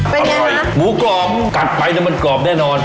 เป็นยังไงนะอร่อยหมูกรอบกัดไปแต่มันกรอบแน่นอน